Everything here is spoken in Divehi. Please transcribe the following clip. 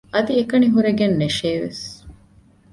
އަދި އެކަނި ހުރެގެން ނެށޭވެސް